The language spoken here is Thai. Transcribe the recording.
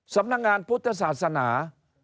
สำนักงานพุทธศาสนา